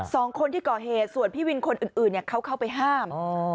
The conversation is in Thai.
สองคนที่ก่อเหตุส่วนพี่วินคนอื่นเขาเข้าไปห้าม